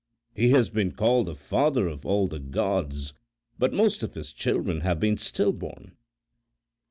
He has been called the Father of all the Gods, but most of his children have been stillborn."